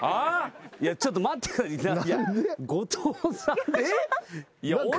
いやちょっと待って後藤さん。